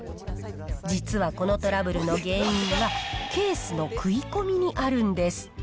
実はこのトラブルの原因は、ケースの食い込みにあるんです。